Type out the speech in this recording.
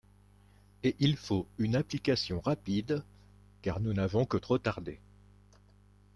Et il faut une application rapide, car nous n’avons que trop tardé.